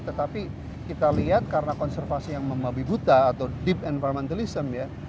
tetapi kita lihat karena konservasi yang membabi buta atau deep environmentalism ya